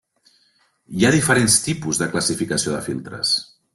Hi ha diferents tipus de classificació de filtres.